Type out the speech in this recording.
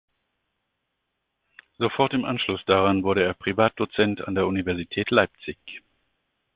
Sofort im Anschluss daran wurde er Privatdozent an der Universität Leipzig.